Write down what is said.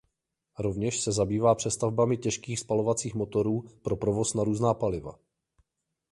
Rovněž se zabývá přestavbami těžkých spalovacích motorů pro provoz na různá paliva.